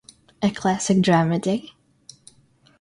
A classic dramedy?